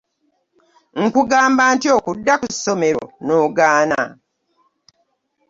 Nkugamba ntya okudda ku ssomero n'ogaana?